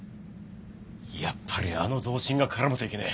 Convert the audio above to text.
やっぱりあの同心が絡むといけねえ。